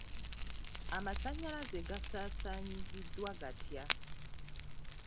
Amasannyalaze gasaasaanyiziddwa gatya?